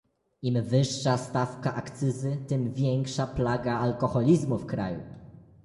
im wyższa stawka akcyzy, tym większa plaga alkoholizmu w kraju